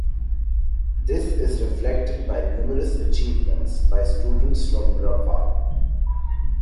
This is reflected by numerous achievements by students from Rabwah.